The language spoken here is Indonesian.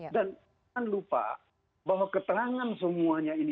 dan jangan lupa bahwa keterangan semuanya ini